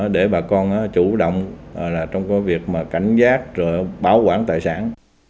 để bà con chủ động trong việc cảnh giác bảo quản tài sản